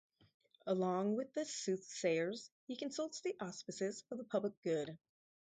Along with the soothsayers, he consults the auspices for the public good.